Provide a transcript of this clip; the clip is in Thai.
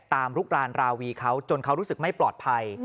ลุกรานราวีเขาจนเขารู้สึกไม่ปลอดภัย